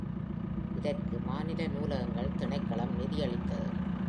இதற்கு மாநில நூலகங்கள் திணைக்களம் நிதியளித்தது.